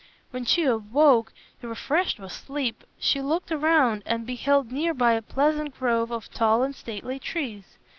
When she awoke refreshed with sleep, she looked round and beheld near by a pleasant grove of tall and stately trees.